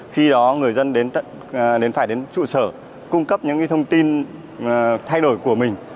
khi đó người dân phải đến trụ sở cung cấp những thông tin thay đổi của mình